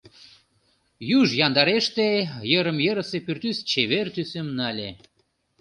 Юж яндареште, йырым-йырысе пӱртӱс чевер тӱсым нале.